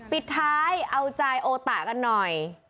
ปิดท้ายเอาใจโอตะกันหน่อย